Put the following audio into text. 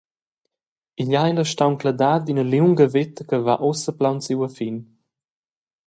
Igl ei la stauncladad d’ina liunga veta che va ussa plaunsiu a fin.